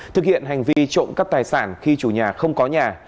thực hiện hành vi trộm cắp tài sản khi chủ nhà không có nhà